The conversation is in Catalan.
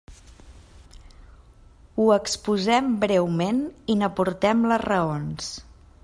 Ho exposem breument i n'aportem les raons.